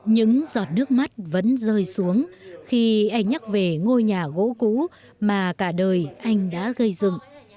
những giọt nước mắt vẫn rơi xuống khi anh nhắc về ngôi nhà gỗ cũ mà cả đời anh đã gây dựng